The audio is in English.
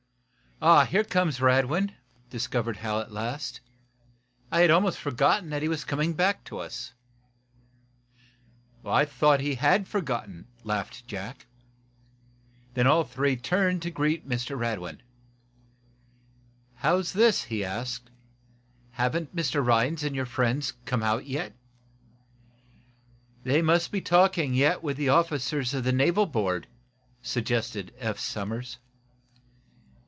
"Here comes Radwin," discovered Hal, at last. "I had almost forgotten that he was coming back to us." "I thought he had forgotten," laughed Jack. Then all three turned to greet Mr. Radwin. "How's this?" he asked. "Haven't Mr. Rhinds and your friends come out yet?" "They must be talking, yet, with the officers of the naval board," suggested Eph Somers.